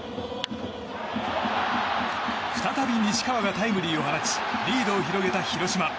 再び西川がタイムリーを放ちリードを広げた広島。